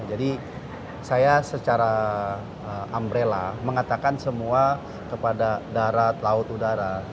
jadi saya secara umbrella mengatakan semua kepada darat laut udara